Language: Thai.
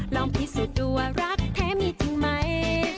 ลองพิสูจน์ตัวรักแท้มีจริงมั้ย